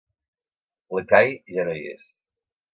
L'Ekahi ja no hi és.